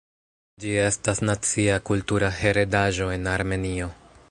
Ĝi estas nacia kultura heredaĵo en Armenio.